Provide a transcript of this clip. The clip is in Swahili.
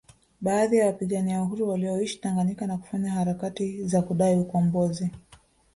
Baadhi ya wapigania uhuru walioishi Tanganyika na kufanya harakati za kudai ukumbozi